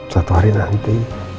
satu hari nanti